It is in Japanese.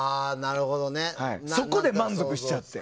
そこで満足しちゃって。